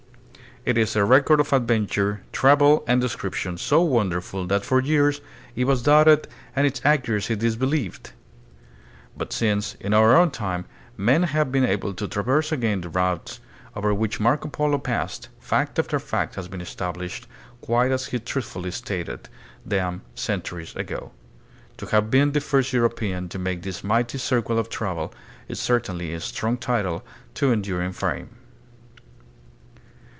It is a record of adventure, travel, and description, so wonder ful that for years it was doubted and its accuracy disbelieved. But since, in our own time, men have been able to traverse again the routes over which Marco Polo passed, fact after fact has been established, quite as he truthfully stated them centuries ago. To have been the first European to make this mighty circuit of travel is certainly a strong title to enduring fame.